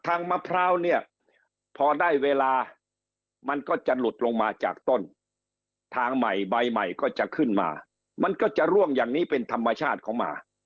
มะพร้าวเนี่ยพอได้เวลามันก็จะหลุดลงมาจากต้นทางใหม่ใบใหม่ก็จะขึ้นมามันก็จะร่วงอย่างนี้เป็นธรรมชาติเขามา